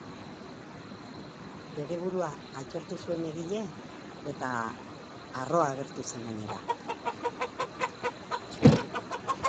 Bere burua aitortu zuen egile eta harro agertu zen, gainera.